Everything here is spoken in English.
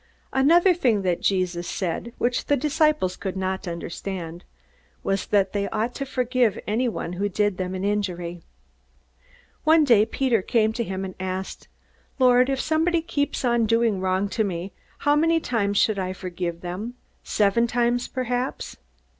Another thing that Jesus said, which the disciples could not understand, was that they ought to forgive anyone who did them an injury. One day Peter came to him and asked: "Lord, if somebody keeps on doing wrong to me, how many times should I forgive him? Seven times, perhaps?"